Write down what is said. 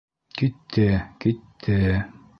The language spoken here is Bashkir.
Китте... китте...